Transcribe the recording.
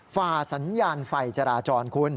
ฝ่าสัญญาณไฟจราจรคุณ